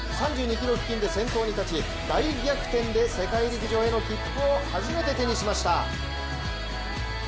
３２ｋｍ付近で先頭に立ち大逆転で世界陸上への切符を初めて手にしました。